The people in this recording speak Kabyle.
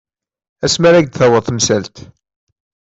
Asma ara ak-d-taweḍ temsalt.